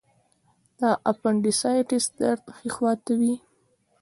د اپنډیسایټس درد ښي خوا ته وي.